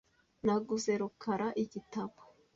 Naguze rukara igitabo .